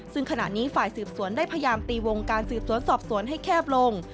ซึ่งขณะนี้ฝ่ายสืบสวนได้พยายามตีวงการสืบสวนสอบสวนให้แคบลง